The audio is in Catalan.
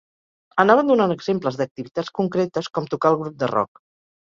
Anaven donant exemples d'activitats concretes, com tocar al grup de rock.